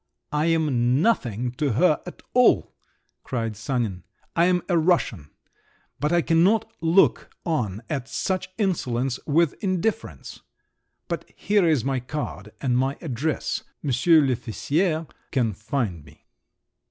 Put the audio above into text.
"I am nothing to her at all," cried Sanin, "I am a Russian, but I cannot look on at such insolence with indifference; but here is my card and my address; monsieur l'officier can find me."